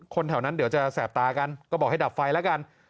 แถวนั้นเดี๋ยวจะแสบตากันก็บอกให้ดับไฟแล้วกัน